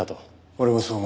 俺もそう思う。